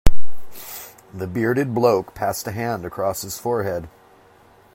The bearded bloke passed a hand across his forehead.